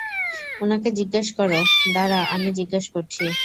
উনাকে জিজ্ঞেস কর, - দাঁড়া আমি জিজ্ঞাসা করছি।